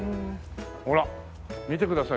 ほら見てください